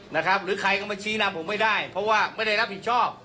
หรือใครก็มาชี้นำผมไม่ได้เพราะว่าไม่ได้รับผิดชอบ